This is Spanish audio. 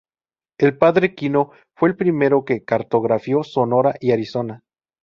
El Padre Kino fue el primero que cartografió Sonora y Arizona.